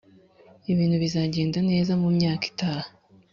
ibintu bizagenda neza mu myaka itaha